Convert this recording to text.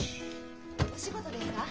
お仕事ですか？